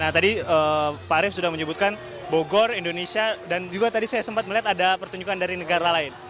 nah tadi pak arief sudah menyebutkan bogor indonesia dan juga tadi saya sempat melihat ada pertunjukan dari negara lain